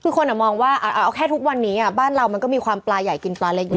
คือคนมองว่าเอาแค่ทุกวันนี้บ้านเรามันก็มีความปลาใหญ่กินปลาเล็กอยู่